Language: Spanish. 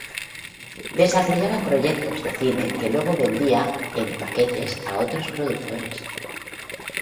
Desarrollaba proyectos de cine que luego vendía en paquetes a otros productores.